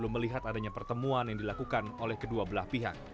melihat adanya pertemuan yang dilakukan oleh kedua belah pihak